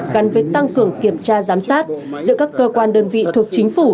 gắn với tăng cường kiểm tra giám sát giữa các cơ quan đơn vị thuộc chính phủ